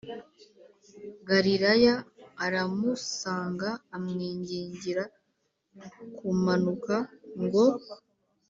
Galilaya aramusanga amwingingira kumanuka ngo